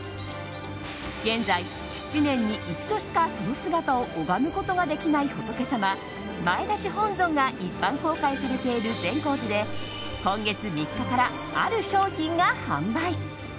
現在、７年に一度しかその姿を拝むことができない仏様前立本尊が一般公開されている善光寺で今月３日から、ある商品が販売。